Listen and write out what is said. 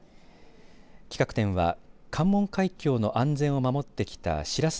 企画展は関門海峡の安全を守ってきた白洲